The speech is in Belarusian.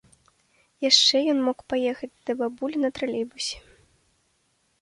Яшчэ ён мог паехаць да бабулі на тралейбусе.